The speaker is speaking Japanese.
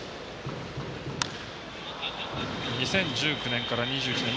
２０１９年から２１年。